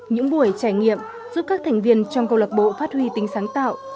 những buổi trải nghiệm giúp các thành viên trong câu lạc bộ phát huy tính sáng tạo